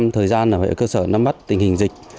một trăm linh thời gian là phải ở cơ sở nắm bắt tình hình dịch